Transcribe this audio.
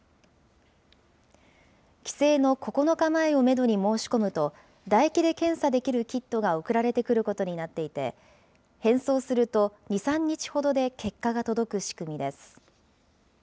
帰省の９日前をメドに申し込むと、唾液で検査できるキットが送られてくることになっていて、返送すると２、３日ほどで結果が届く仕組みです。